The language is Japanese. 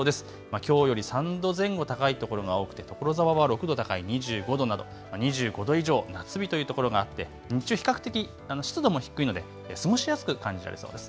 きょうより３度前後高いところが多くて所沢は６度高い２５度など２５度以上夏日の所ががあって比較的、湿度も低いので過ごしやすく感じられそうです。